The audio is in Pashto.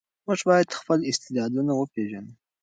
موږ باید خپل استعدادونه وپېژنو.